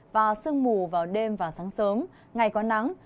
và sương mù vào đêm và sáng sớm ngày có nắng